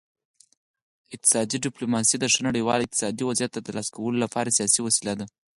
اقتصادي ډیپلوماسي د ښه نړیوال اقتصادي وضعیت د ترلاسه کولو لپاره سیاسي وسیله ده